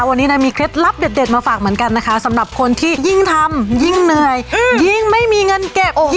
วันนี้น่ะมีเคล็ดลับเด็ดมาฝากเหมือนกันนะคะสำหรับคนที่ยิ่งทำยิ่งเหนื่อย